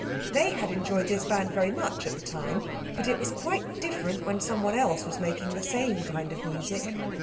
They had enjoyed this band very much at the time. But it was quite different when someone else was making the same kind of music.